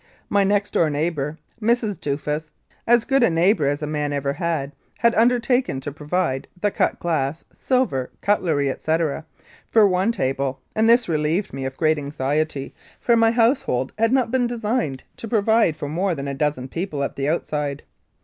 My next door neighbour, Mrs. Duffus, as good a neighbour as a man ever had, had undertaken to provide the cut glass, silver, cutlery, etc., for one table, and this re lieved me of a great anxiety, for my household had not been designed to provide for more than a dozen people at the outside.